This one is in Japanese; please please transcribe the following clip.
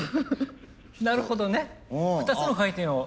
なるほどね２つの回転を。